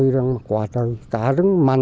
vì không biết tình trạng này